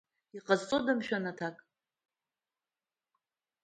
Иҟазҵода, мшәа, аҭак?